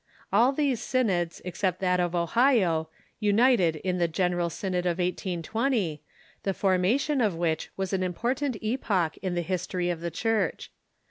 All these synods, except that of Ohio, united in the General Synod of 1820, the formation of which was a most important epoch in the history of the Church.